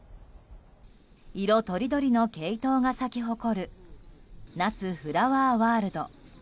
色とりどりのケイトウが咲き誇る那須フラワーワールド。